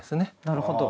なるほど。